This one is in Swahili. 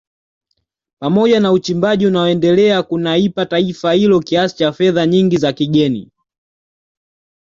Pamoja na uchimbaji unaoendelea kunaipa taifa hilo kiasi cha fedha nyingi za kigeni